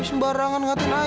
ini sembarangan hati aida